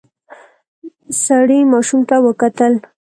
سړی ماشوم ته وکتل.